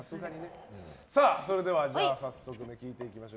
それでは、早速聞いていきます。